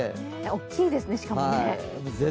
大きいですね、しかもね。